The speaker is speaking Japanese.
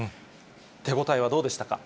手応えはどうでしたか。